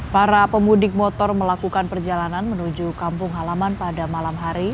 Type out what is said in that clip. para pemudik motor melakukan perjalanan menuju kampung halaman pada malam hari